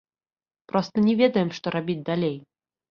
Проста не ведаем, што рабіць далей.